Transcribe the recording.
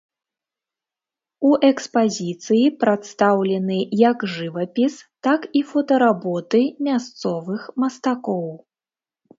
У экспазіцыі прадстаўлены як жывапіс, так і фотаработы мясцовых мастакоў.